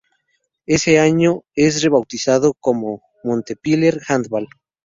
Ese año, es rebautizado como Montpellier Handball.